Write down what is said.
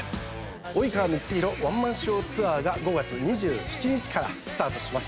ワンマンショーツアーが５月２７日からスタートします。